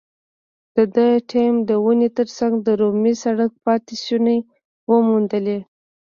د ده ټیم د ونې تر څنګ د رومي سړک پاتې شونې وموندلې.